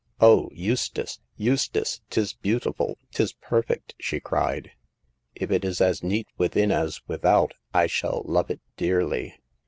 O Eustace, Eustace ! 'Tis beautiful ! 'tis perfect !" she cried. If it is as neat within as without, I shall love it dearly